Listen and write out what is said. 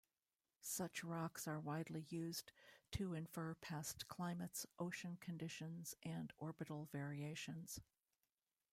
Such rocks are widely used to infer past climates, ocean conditions, and orbital variations.